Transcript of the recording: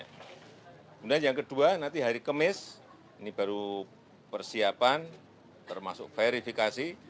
kemudian yang kedua nanti hari kemis ini baru persiapan termasuk verifikasi